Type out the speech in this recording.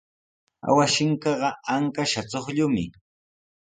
Awashinkaqa ankashqa chuqllumi.